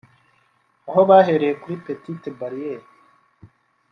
aho bahereye kuri petite barrière